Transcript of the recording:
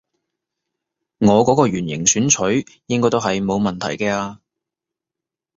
我嗰個圓形選取應該都係冇問題嘅啊